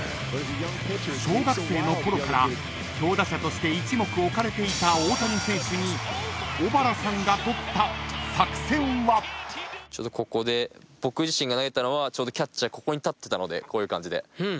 ［小学生のころから強打者として一目置かれていた大谷選手に小原さんが］ちょうどここで僕自身が投げたのはちょうどキャッチャーここに立ってたこういう感じで。